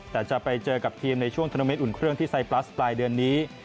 แต่จะไปเจอกับทีมในช่วงธนาเมตอุ่นเครื่องที่ไซปลัสปลายเดือนนี้